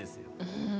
うん。